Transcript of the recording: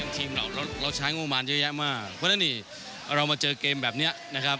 ทีมเราใช้งบมารเยอะแยะมากเพราะฉะนั้นนี่เรามาเจอเกมแบบนี้นะครับ